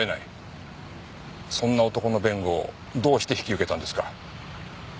そんな男の弁護をどうして引き受けたんですか？